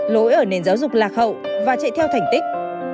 lối ở nền giáo dục lạc hậu và chạy theo thành tích